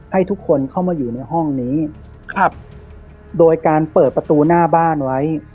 ให้ทุกคนเข้ามาอยู่ในห้องนี้ครับโดยการเปิดประตูหน้าบ้านไว้